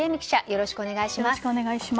よろしくお願いします。